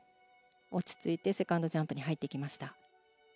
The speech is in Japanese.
落ち着いてセカンドジャンプに入っていきました。